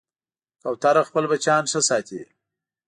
کوتره خپل بچیان ښه ساتي.